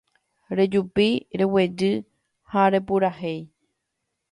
Rejupi, reguejy ha repurahéi